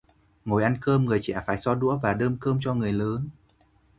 Ngồi ăn cơm, người trẻ phải so đũa và đơm cơm cho người lớn